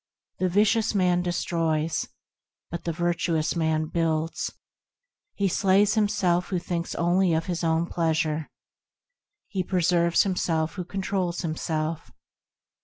The vicious man destroys, but the virtuous man builds ; He slays himself who thinks only of his own pleasure; He preserves himself who controls himself.